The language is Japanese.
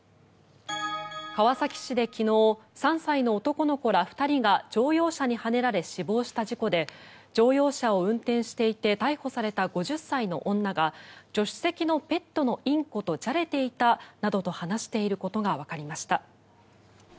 川崎市で昨日３歳の男の子ら２人が乗用車にはねられ死亡した事故で乗用車を運転していて逮捕された５０歳の女が助手席のペットのインコとじゃれていたなどと話していることがわかりました。